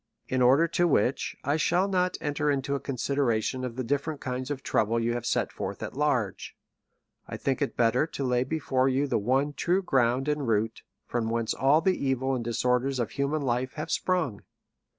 In order to which, 1 shall not en ter into a consideration of the different kinds of trouble you have set forth at large ; I think it better to lay be fore you the one true ground and root, from whence all the evil and disorders of human life have sprung.